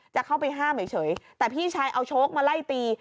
จะเข้าไปห้ามเฉยแต่พี่ชายเอาโชคมาไล่ตี